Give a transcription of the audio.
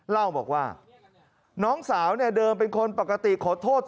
เล่าบอกว่าน้องสาวเนี่ยเดิมเป็นคนปกติขอโทษ